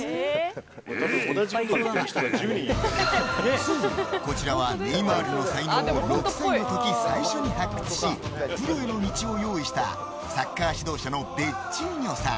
そう、こちらはネイマールの才能を６歳のとき、最初に発掘しプロへの道を用意したサッカー指導者のベッチーニョさん。